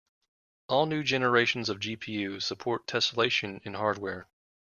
All new generations of GPUs support tesselation in hardware.